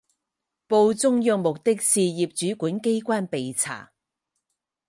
报中央目的事业主管机关备查